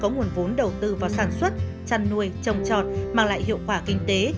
nguồn vốn đầu tư vào sản xuất chăn nuôi trồng trọt mang lại hiệu quả kinh tế